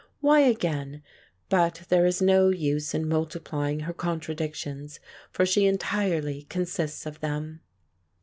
Why, again — but there is no use in multiplying her contradictions, for she entirely consists of them.